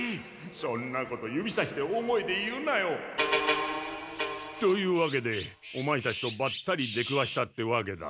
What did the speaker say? そんなこと指さして大声で言うなよ！というわけでオマエたちとバッタリ出くわしたってわけだ。